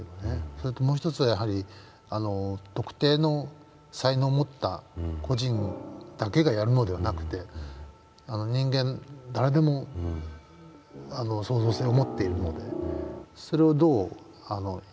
それともう一つはやはり特定の才能を持った個人だけがやるのではなくて人間誰でも創造性を持っているのでそれをどう生かすか。